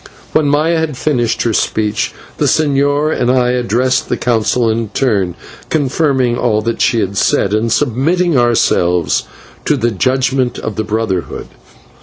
When Maya had finished her speech, the señor and I addressed the Council in turn, confirming all that she had said, and submitting ourselves to the judgment of the Brotherhood.